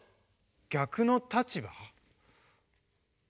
逆の立場？